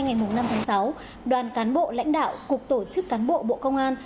sáng nay ngày năm tháng sáu đoàn cán bộ lãnh đạo cục tổ chức cán bộ bộ công an